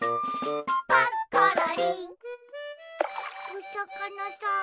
おさかなさん。